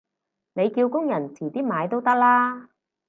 你叫工人遲啲買都得啦